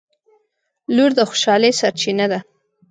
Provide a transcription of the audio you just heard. • لور د خوشحالۍ سرچینه ده.